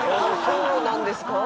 そうなんですか？